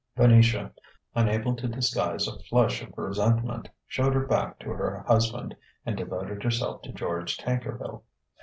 Venetia, unable to disguise a flush of resentment, showed her back to her husband and devoted herself to George Tankerville.